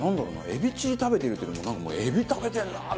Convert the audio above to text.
エビチリ食べてるっていうかなんかもうエビ食べてるなあ！